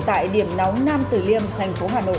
tại điểm nóng nam tử liêm thành phố hà nội